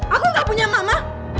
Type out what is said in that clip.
aku gak punya mama